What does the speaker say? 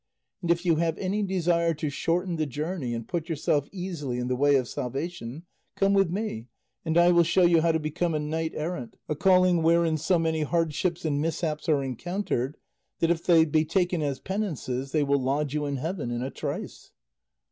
And if you have any desire to shorten the journey and put yourself easily in the way of salvation, come with me, and I will show you how to become a knight errant, a calling wherein so many hardships and mishaps are encountered that if they be taken as penances they will lodge you in heaven in a trice."